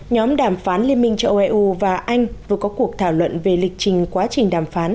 nhóm đàm phán liên minh châu âu eu và anh vừa có cuộc thảo luận về lịch trình quá trình đàm phán